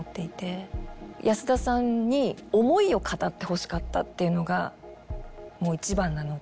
安田さんに思いを語ってほしかったっていうのがもう一番なので。